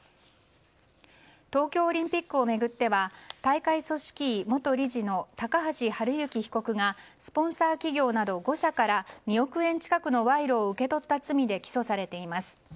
東京オリンピックを巡っては大会組織委元理事の高橋治之被告がスポンサー企業など５社から２億円近くの賄賂を受け取った罪で起訴されています。